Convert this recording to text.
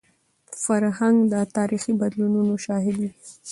فرهنګ د تاریخي بدلونونو شاهد وي.